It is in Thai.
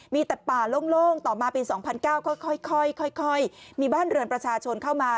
มีแต่ป่าโล่งต่อมาปี๒๐๐๙ค่อยมีบ้านเรือนประชาชนเข้ามา